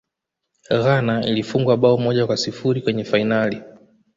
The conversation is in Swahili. ghana ilifungwa bao moja kwa sifuri kwenye fainali